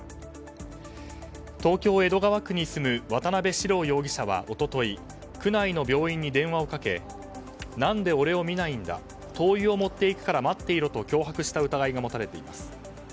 東京・江戸川区に住む渡辺志郎容疑者は一昨日区内の病院に電話をかけ何で俺を診ないんだ灯油を持っていくから待っていろと脅迫した疑いが持たれています。